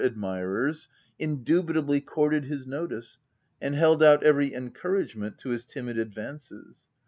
55 admirers, indubitably courted his notice and held out every encouragement to his timid ad vances.